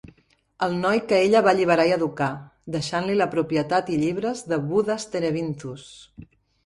El noi que ella va alliberar i educar, deixant-li la propietat i llibres de Buddas-Terebinthus.